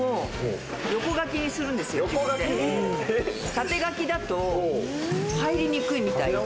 「縦書きだと入りにくいみたいで」